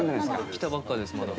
来たばっかですまだ。